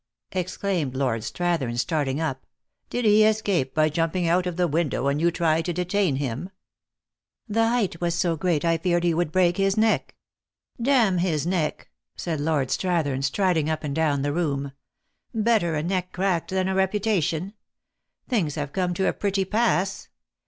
exclaimed Lord Strathern, starting up. " Did he escape by jumping out of the window, and you try to detain him ?"" The height was so great, I feared he would break his neck." " Damn his neck !" said Lord Strathern, striding up and down the room. " Better a neck cracked than a reputation. Tilings have come to a pretty pass.